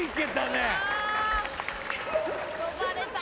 跳ばれた！